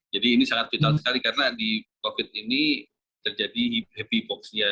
jadi ini sangat vital sekali karena di covid ini terjadi heavy box nya